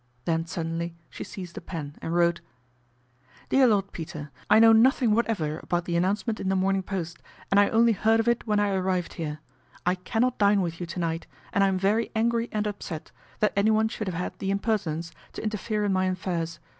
Then suddenly she seized a pen and wrote :" DEAR LORD PETER, " I know nothing whatever about the an nouncement in The Morning Post, and I only heard of it when I arrived here. I cannot dine with you to night, and I am very angry and upset that anyone should have had the impertin ence to interfere in my affairs.